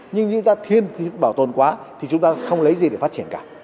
nhưng chúng ta thiên về phát triển quá thì chúng ta không lấy gì được